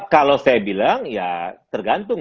kalau saya bilang ya tergantung